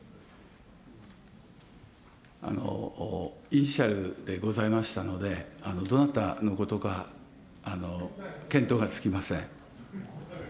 イニシャルでございましたので、どなたのことか見当がつきません。